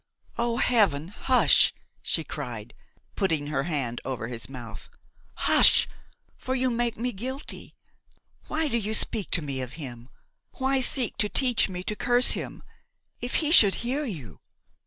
"O heaven! hush," she cried, putting her hand over his mouth; "hush! for you make me guilty. Why do you speak to me of him? why seek to teach me to curse him? If he should hear you!